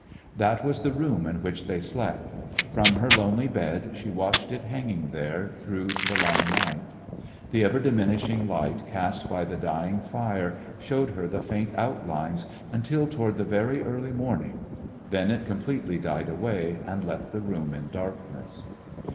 That was the room in which they slept. From her lonely bed she watched it hanging there through the long night. The ever diminishing light cast by the dying fire showed her the faint outlines until toward the A Christmas When very early morning. Then it com pletely died away, and left the room in darkness.